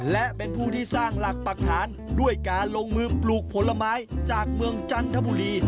และเป็นผู้ที่สร้างหลักปรักฐานด้วยการลงมือปลูกผลไม้จากเมืองจันทบุรี